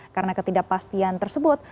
karena ketidakpastian tersebut